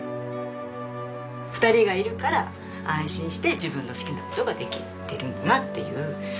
２人がいるから安心して自分の好きな事ができてるんだなっていう。